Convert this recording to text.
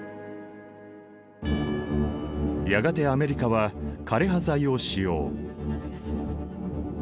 やがてアメリカは枯葉剤を使用。